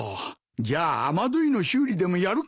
じゃあ雨どいの修理でもやるか。